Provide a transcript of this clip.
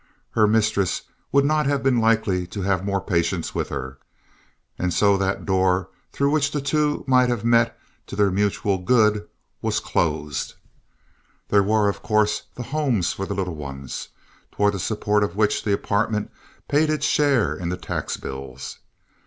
Her mistress would not have been likely to have more patience with her. And so that door through which the two might have met to their mutual good was closed. There were of course the homes for the little ones, toward the support of which the apartment paid its share in the tax bills.